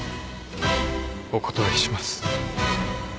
お断りします。